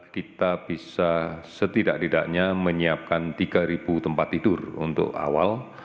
kita bisa setidak tidaknya menyiapkan tiga tempat tidur untuk awal